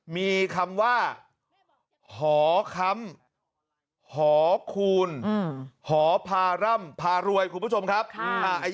มีคำว่าหอค้ำหอคูณหอพาร่ำพารวยคุณผู้ชมครับ